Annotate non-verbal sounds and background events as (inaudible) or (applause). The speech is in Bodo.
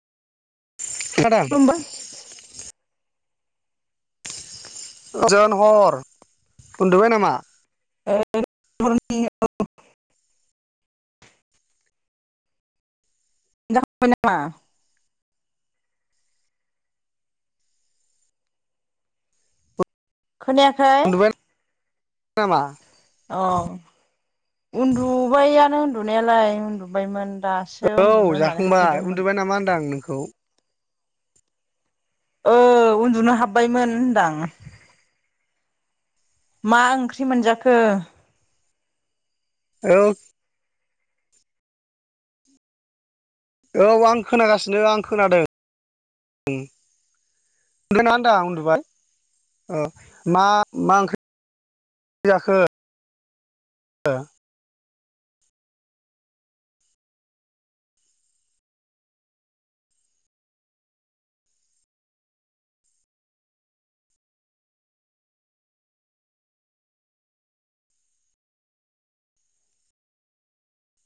खोनादों खुलुमबाय गोजोन हर उन्दुबाय नामा? (unintelligible) जाखांबाय नामा? खौनायाखै? उन्दुबाय नामा। औ उन्दुबायानो उन्दुनायालाय उन्दुबायमोन। दासो औ उन्दुनो होननानै जाखांबाय हाबफैदोंमोन। उन्दुबाय नामा होनदां नोंखौ? औ उन्दुनो हाब्बायमोन होनदां मा ओंख्रि मोनजाखो? औ औ आं खोनागासिनो आं खोनादों उम। गोना आदां उन्दुबाय अ मा मा ओंख्रि? फयाखो (unintelligible) (unintelligible)